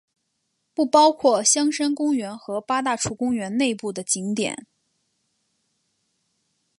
不包括香山公园和八大处公园内部的景点。